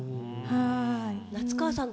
夏川さん